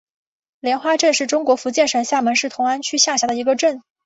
莲花镇是中国福建省厦门市同安区下辖的一个镇。